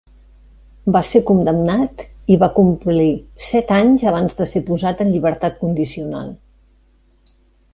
Va ser condemnat i va complir set anys abans de ser posat en llibertat condicional.